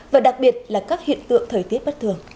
và đặc biệt là các hiện tượng thời tiết bất thường